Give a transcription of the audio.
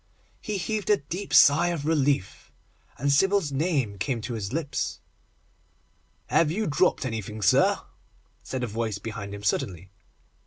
He heaved a deep sigh of relief, and Sybil's name came to his lips. 'Have you dropped anything, sir?' said a voice behind him suddenly.